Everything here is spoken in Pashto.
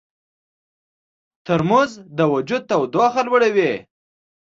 ترموز د وجود تودوخه لوړوي.